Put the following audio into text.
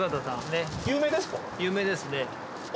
有名ですか？